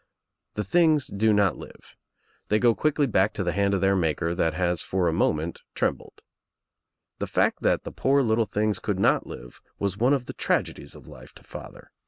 The things do not live. They go quickly back to the hand of their maker that has for a moment trembled. The fact that the poor little things could not live was one of the tragedies of life to father.